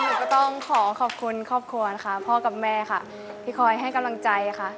หนูก็ต้องขอขอบคุณครอบครัวนะคะพ่อกับแม่ค่ะที่คอยให้กำลังใจค่ะ